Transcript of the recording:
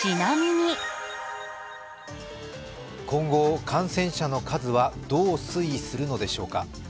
今後、感染者の数はどう推移するのでしょうか。